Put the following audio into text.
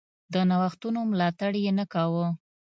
د نوښتونو ملاتړ یې نه کاوه.